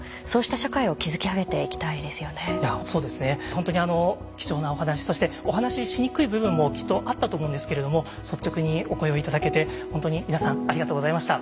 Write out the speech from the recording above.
本当に貴重なお話そしてお話ししにくい部分もきっとあったと思うんですけれども率直にお声を頂けて本当に皆さんありがとうございました。